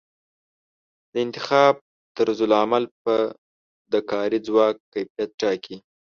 د انتخاب طرزالعمل به د کاري ځواک کیفیت ټاکي.